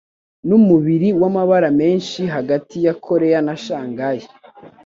Numubiri wamabara menshi hagati ya Koreya na Shanghai